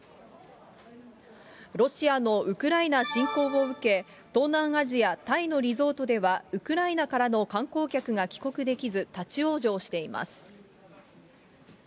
ロシアのウクライナ侵攻を受け、東南アジア、タイのリゾートではウクライナからの観光客が帰国できず、立往生しています。